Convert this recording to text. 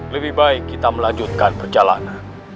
lebih baik kita melanjutkan perjalanan